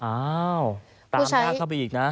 อ้าวตามญาติเข้าไปอีกนะ